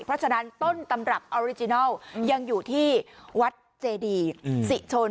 เพราะฉะนั้นต้นตำรับออริจินัลยังอยู่ที่วัดเจดีสิชน